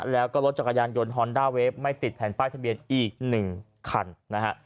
แล้วก็รถจักรยานยนต์ฮอนด้าเวฟไม่ติดแผ่นป้ายทะเบียนอีก๑คันนะฮะ